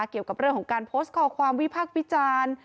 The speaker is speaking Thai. เกี่ยวกับเรื่องของการโพสต์ข้อความวิพักษ์วิจารณ์